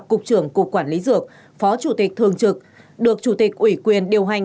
cục trưởng cục quản lý dược phó chủ tịch thường trực được chủ tịch ủy quyền điều hành